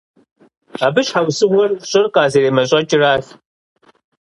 Абы и щхьэусыгъуэр щӀыр къазэремэщӀэкӀыращ.